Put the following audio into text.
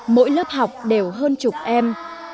mỗi lớp học đều hơn chục em